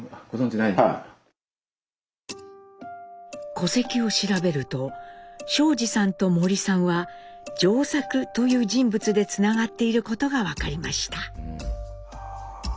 戸籍を調べると昭二さんと森さんは「丈作」という人物でつながっていることが分かりました。